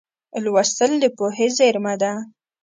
لوستل د پوهې زېرمه ده.